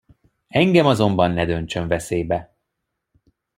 Engem azonban ne döntsön veszélybe.